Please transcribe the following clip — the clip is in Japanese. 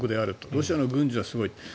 ロシアの軍事はすごい。